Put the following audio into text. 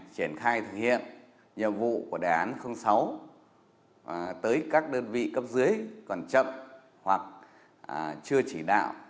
triển khai thực hiện nhiệm vụ của đề án sáu tới các đơn vị cấp dưới còn chậm hoặc chưa chỉ đạo